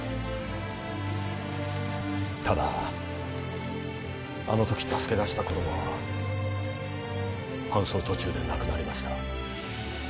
ただあのとき助け出した子どもは搬送途中で亡くなりました